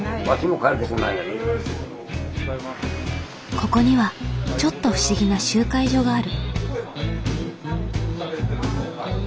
ここにはちょっと不思議な集会所がある。